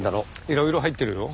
いろいろ入ってるよ。